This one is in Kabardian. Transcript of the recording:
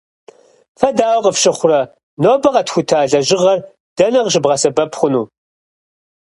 Фэ дауэ къыфщыхъурэ, нобэ къэтхута лэжьыгъэр дэнэ къыщыбгъэсэбэп хъуну?